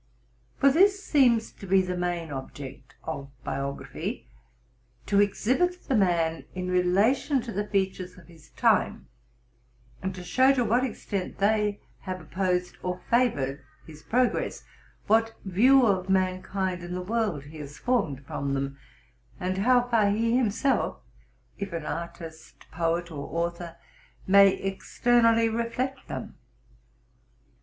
For this seems to be the main object of biography, — to exhibit the man in relation to the features of his time, and to show to what extent they have opposed or favored his progress ; what view of mankind and the world he has formed from them, and how far he himself, if an artist, poet, or author, may externally reflect them.